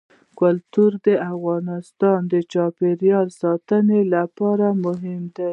کلتور د افغانستان د چاپیریال ساتنې لپاره مهم دي.